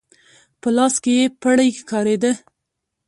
په لاس کې يې پړی ښکارېده.